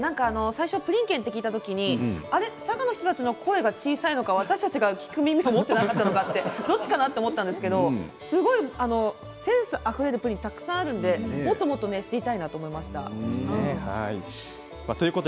プリン県と聞いた時に佐賀の人たちの声が小さいのが私たちの耳が効かなかったのかあれっと思ったんですけどセンスあふれるプリンがあるのでもっともっと知りたいと思いました。